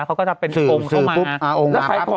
เขาก็จะเป็นองค์เข้ามา